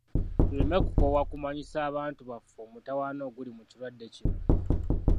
Tuleme kukoowa kumanyisa abantu baffe omutawaana oguli mu kirwadde kino.